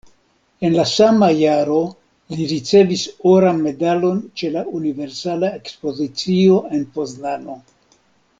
En la sama jaro li ricevis Oran Medalon ĉe la Universala Ekspozicio en Poznano.